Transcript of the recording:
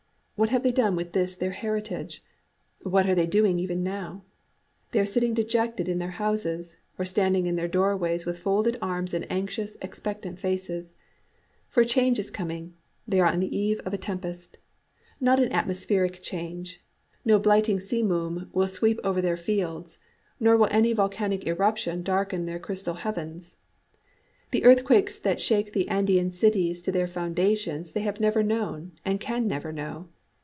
What have they done with this their heritage? What are they doing even now? They are sitting dejected in their houses, or standing in their doorways with folded arms and anxious, expectant faces. For a change is coming: they are on the eve of a tempest. Not an atmospheric change; no blighting simoom will sweep over their fields, nor will any volcanic eruption darken their crystal heavens. The earthquakes that shake the Andean cities to their foundations they have never known and can never know.